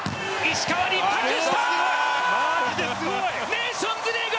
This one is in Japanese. ネーションズリーグ